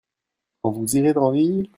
Quand vous irez en ville.